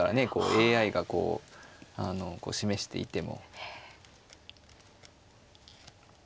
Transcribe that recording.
ＡＩがこう示していても。